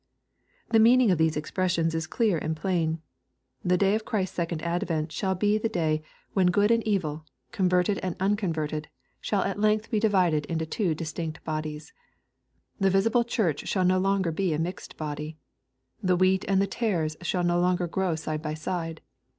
The meaning of these expressions is clear and plain. The day of Christ's second advent shall be the day wheo LUKE, CHAP. XVII. 247 good and evil, converted and unconverted, shall at length be divided into two distinct bodies. The visible Church shall no longer be a mixed body. The wheat and the tares shall no longer grow side by side.